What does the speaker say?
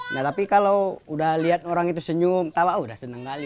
nah tapi kalau udah lihat orang itu senyum tawa udah seneng kali